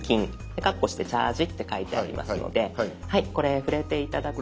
カッコして「チャージ」って書いてありますのでこれ触れて頂くと。